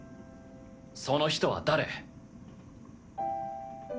その人は誰？